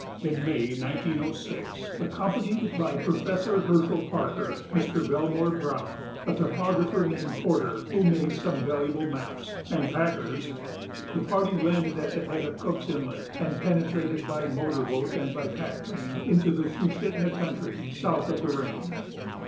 In May, 1906, accompanied by Professor Herschel Parker, Mr. Belmore Browne, a topographer named Porter, who made some valuable maps, and packers, the party landed at the head of Cook's Inlet and penetrated by motor boat and by pack train into the Sushitna country, south of the range.